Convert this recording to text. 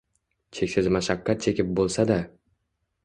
cheksiz mashaqqat chekib bo‘lsa-da